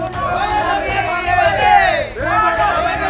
untuk membolehkan saluran buang kipas menangani pertukaran kandra dari pak harimau